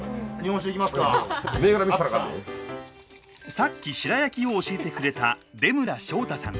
さっき白焼きを教えてくれた出村翔太さん。